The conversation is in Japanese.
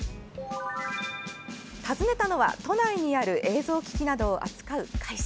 訪ねたのは、都内にある映像機器などを扱う会社。